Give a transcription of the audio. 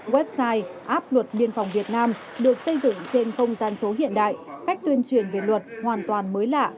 website app luật biên phòng việt nam được xây dựng trên không gian số hiện đại cách tuyên truyền về luật hoàn toàn mới lạ